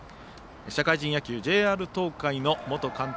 社会人野球、ＪＲ東海の元監督